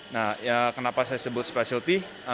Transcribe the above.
nah ya kenapa saya sebut specialty